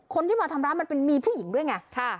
คนที่มาทำร้ายมันเป็นมีผู้หญิงด้วยไง